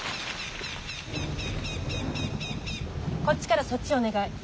こっちからそっちお願い。